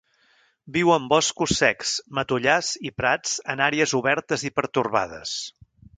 Viu en boscos secs, matollars i prats en àrees obertes i pertorbades.